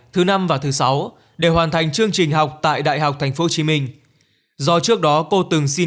thứ năm và thứ sáu để hoàn thành chương trình học tại đại học tp hcm do trước đó cô từng xin